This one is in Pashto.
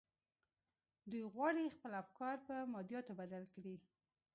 دوی غواړي خپل افکار پر مادياتو بدل کړي.